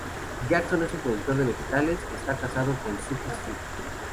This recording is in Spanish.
Jackson es un productor de vegetales; está casado con Sookie St.